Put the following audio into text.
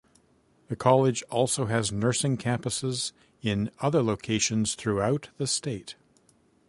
The college also has nursing campuses in other locations throughout the state.